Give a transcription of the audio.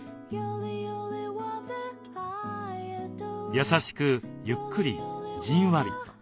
優しくゆっくりじんわりと。